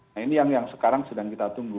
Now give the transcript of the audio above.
nah ini yang sekarang sedang kita tunggu